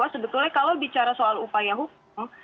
sebetulnya kalau bicara soal upaya hukum